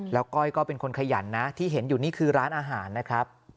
แล้วก้อยก็เป็นคนขยันนะที่เห็นอยู่นี่คือร้านอาหารนะครับ